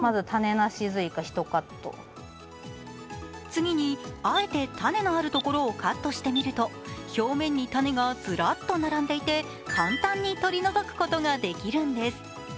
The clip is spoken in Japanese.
次に、あえて種のあるところをカットしてみると表面に種がずらっと並んでいて簡単に取り除くことができるんです。